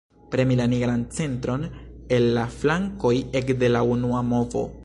Premi la nigran centron el la flankoj ekde la unua movo.